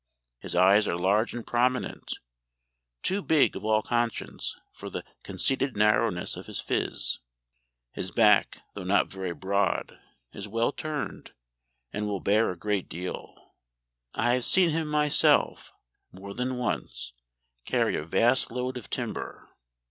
His eyes are large and prominent, too big of all conscience for the conceited narrowness of his phiz.... His back, though not very broad, is well turned, and will bear a great deal; I have seen him myself, more than once, carry a vast load of timber.